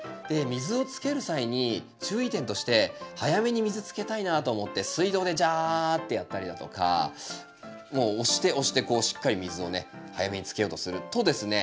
水をつける際に注意点として早めに水つけたいなと思って水道でジャーってやったりだとかもう押して押してこうしっかり水をね早めにつけようとするとですね